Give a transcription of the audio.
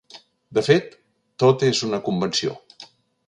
De fet, tot és una convenció.